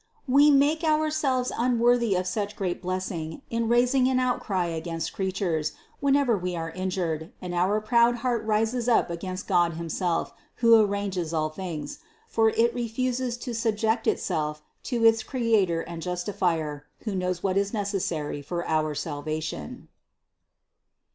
We make ourselves unworthy of such great blessing in raising an outcry against creatures whenever we are injured and our proud heart rises up against God himself, who arranges all things; for it re fuses to subject itself to its Creator and Justifier, who knows what is necessary for our salvation.